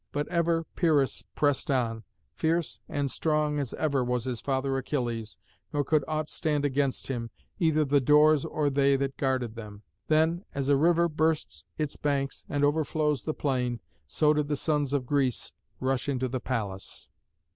But ever Pyrrhus pressed on, fierce and strong as ever was his father Achilles, nor could aught stand against him, either the doors or they that guarded them. Then, as a river bursts its banks and overflows the plain, so did the sons of Greece rush into the palace.